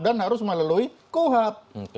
dan harus melalui kohab